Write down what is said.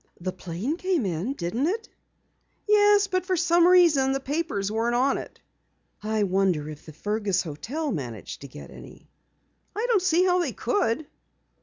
"The plane came in, didn't it?" "Yes, but for some reason the papers weren't put on." "I wonder if the Fergus hotel managed to get any?" "I don't see how they could."